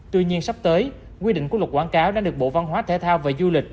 tuy nhiên sắp tới quy định của luật quảng cáo đã được bộ văn hóa thể thao và du lịch